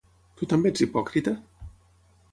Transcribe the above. Tu també ets hipòcrita?